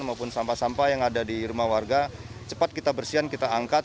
maupun sampah sampah yang ada di rumah warga cepat kita bersihan kita angkat